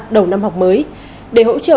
đầu năm học mới để hỗ trợ